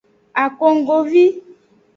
Akonggovi.